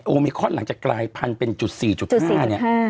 โอมิคอนหลังจะกลายพันเป็นจุด๔๕เนี่ย